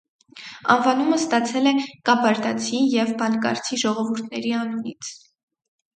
Անվանումը ստացել է կաբարդացի և բալկարցի ժողովուրդների անունից։